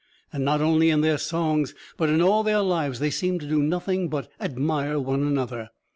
And not only in their songs but in all their lives they seemed to do nothing but admire one another.